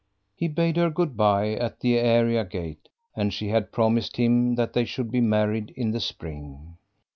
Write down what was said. He bade her good bye at the area gate, and she had promised him that they should be married in the spring.